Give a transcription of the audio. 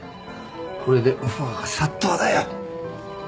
これでオファーが殺到だよ。